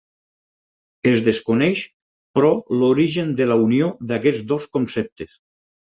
Es desconeix, però l'origen de la unió d'aquests dos conceptes.